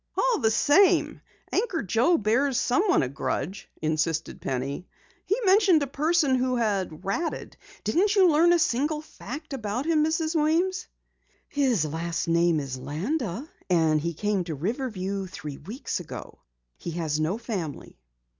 "All the same, Anchor Joe bears someone a grudge," insisted Penny. "He mentioned a person who had 'ratted.' Didn't you learn a single fact about him, Mrs. Weems?" "His last name is Landa and he came to Riverview three weeks ago. He has no family."